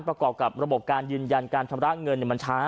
ประกอบกับระบบการยืนยันการชำระเงินมันช้า